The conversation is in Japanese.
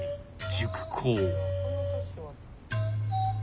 熟考。